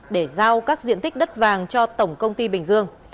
để giao các diện tích đất vàng cho tổng công ty bình dương